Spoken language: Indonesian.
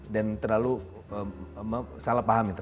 dan terlalu salah paham ya terlalu